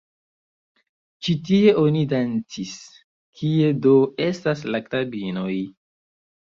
Ĉi tie oni dancis, kie do estas la knabinoj?